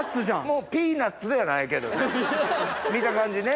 もうピーナツではないけど見た感じね。